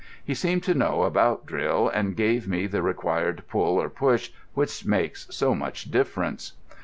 He seemed to know about drill, and gave me the required pull or push which makes so much difference.